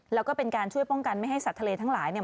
แล้วก็เป็นการช่วยป้องกันไม่ให้สัตว์ทะเลทั้งหลายเนี่ย